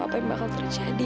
apa yang bakal terjadi